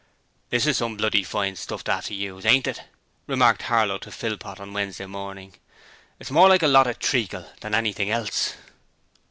'This is some bloody fine stuff to 'ave to use, ain't it?' remarked Harlow to Philpot on Wednesday morning. 'It's more like a lot of treacle than anything else.'